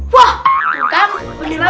wah tuh kan beneran